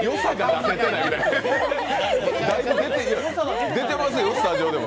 だいぶ出ている出てますよ、スタジオでも。